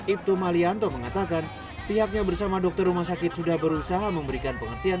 ibtu malianto mengatakan pihaknya bersama dokter rumah sakit sudah berusaha memberikan pengertian